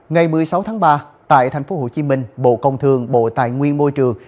ngày một mươi sáu tháng ba tại tp hcm bộ công thương bộ tài nguyên môi trường